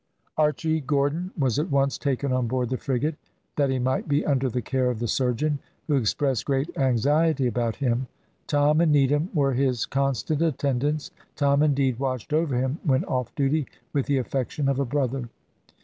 Archy Gordon was at once taken on board the frigate, that he might be under the care of the surgeon, who expressed great anxiety about him. Tom and Needham were his constant attendants; Tom, indeed, watched over him, when off duty, with the affection of a brother.